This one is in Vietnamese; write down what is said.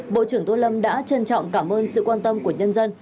bộ trưởng tô lâm đã trân trọng cảm ơn sự quan tâm của nhân dân